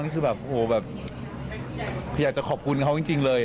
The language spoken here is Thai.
นี่คือแบบอยากจะขอบกุญว่าเขาจริงเลย